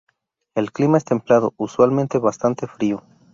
El clima es templado, usualmente bastante frío.